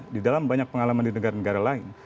di dalam banyak pengalaman di negara negara lain